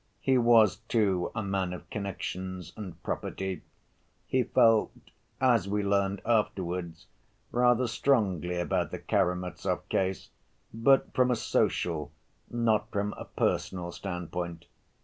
He was, too, a man of connections and property. He felt, as we learnt afterwards, rather strongly about the Karamazov case, but from a social, not from a personal standpoint.